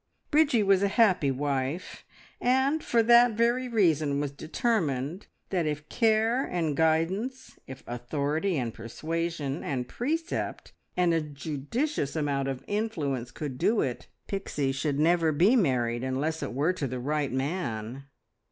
Bridgie was a happy wife, and for that very reason was determined that if care and guidance, if authority, and persuasion, and precept, and a judicious amount of influence could do it, Pixie should never be married, unless it were to the right man.